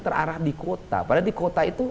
terarah di kota padahal di kota itu